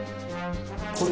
これ。